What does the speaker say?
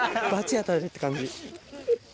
当たれって感じ。